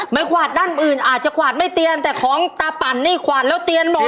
ขวาดด้านอื่นอาจจะขวาดไม่เตียนแต่ของตาปั่นนี่ขวาดแล้วเตียนหมด